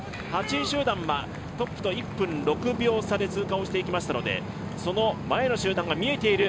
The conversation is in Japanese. ８位集団はトップと１分６秒差で通過していきましたのでその前の集団が見えている